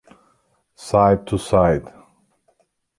Side to side.